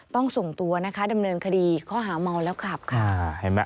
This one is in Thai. ต้องส่งตัวนะคะดำเนินคดีข้อหาเมาแล้วครับค่ะ